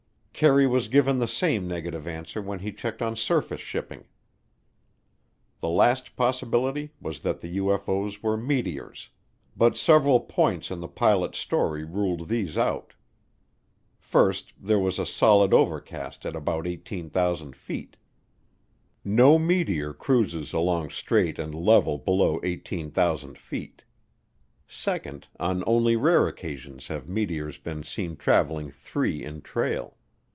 Kerry was given the same negative answer when he checked on surface shipping. The last possibility was that the UFO's were meteors, but several points in the pilots' story ruled these out. First, there was a solid overcast at about 18,000 feet. No meteor cruises along straight and level below 18,000 feet. Second, on only rare occasions have meteors been seen traveling three in trail.